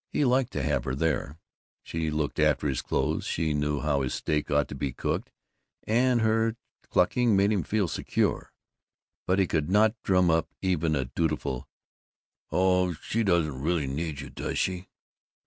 He liked to have her there; she looked after his clothes; she knew how his steak ought to be cooked; and her clucking made him feel secure. But he could not drum up even a dutiful "Oh, she doesn't really need you, does she?"